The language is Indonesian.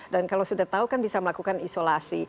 dan kalau sudah tahu kan bisa melakukan isolasi